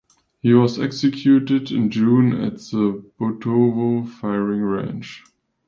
He was executed in June at the Butovo firing range.